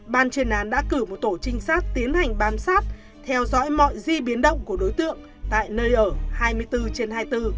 ban chuyên án đã cử một tổ trinh sát tiến hành bám sát theo dõi mọi di biến động của đối tượng tại nơi ở hai mươi bốn trên hai mươi bốn